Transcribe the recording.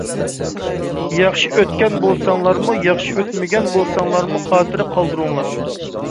ياخشى ئۆتكەن بولساڭلارمۇ، ياخشى ئۆتمىگەن بولساڭلارمۇ خاتىرە قالدۇرۇڭلار.